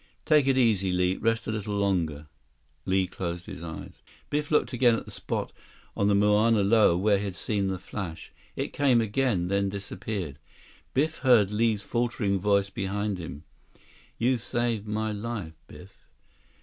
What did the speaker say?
"Take it easy, Li. Rest a little longer." Li closed his eyes. Biff looked again at the spot on the Mauna Loa where he had seen the flash. It came again, then disappeared. Biff heard Li's faltering voice behind him. "You saved my life, Biff."